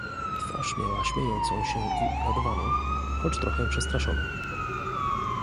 "Twarz miała śmiejącą się i uradowaną, choć trochę przestraszoną."